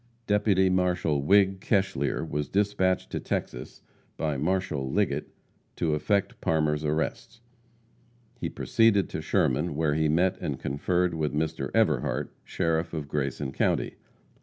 Deputy Marshal Whig Keshlear was dispatched to Texas by Marshal Liggett to effect Parmer's arrest. He proceeded to Sherman, where he met and conferred with Mr. Everhart, sheriff of Grayson county.